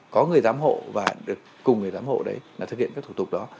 có người giám hộ và được cùng người giám hộ